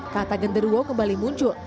kata genderuwa kembali muncul